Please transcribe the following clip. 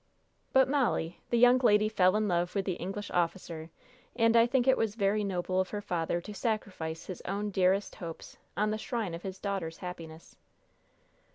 "But, Molly, the young lady fell in love with the English officer; and I think it was very noble of her father to sacrifice his own dearest hopes on the shrine of his daughter's happiness."